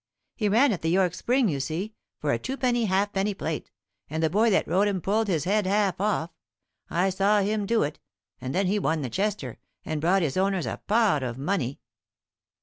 He ran at the York Spring, you see, for a twopenny halfpenny plate, and the boy that rode him pulled his head half off I saw him do it and then he won the Chester, and brought his owners a pot of money."